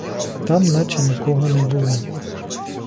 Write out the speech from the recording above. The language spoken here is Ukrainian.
Там наче нікого не було.